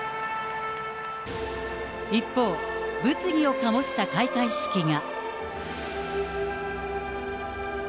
一方、物議を醸した開会式が。